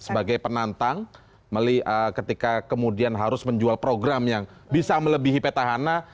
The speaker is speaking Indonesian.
sebagai penantang ketika kemudian harus menjual program yang bisa melebihi petahana